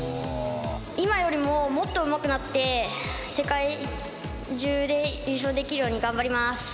今よりももっとうまくなって、世界中で優勝できるように頑張ります。